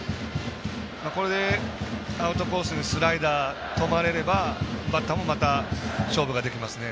これでアウトコースにスライダー、止まれればバッターも、また勝負ができますね。